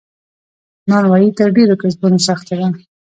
نانوایې تر ډیرو کسبونو سخته ده.